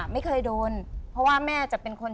ไม่เคยโดนเพราะว่าแม่จะเป็นคน